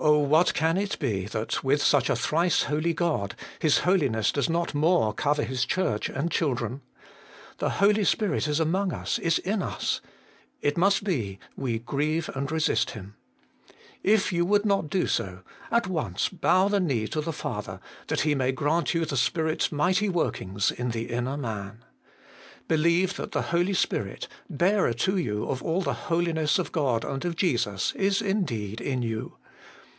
Oh, what can it be that, with such a Thrice Holy God, His Holiness does not more cover His Church and children ? The Holy Spirit is among us, is in us : it must be we grieve and resist Him. If you would not do so, at once bow the knee to the Father, that He may grant you the Spirit's THE HOLY SPIRIT. 139 mighty workings in the inner man. Believe that the Holy Spirit, bearer to you of all the Holiness of God and of Jesus, is indeed in you.